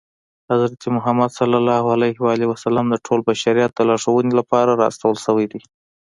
حضرت محمد ص د ټول بشریت د لارښودنې لپاره را استول شوی دی.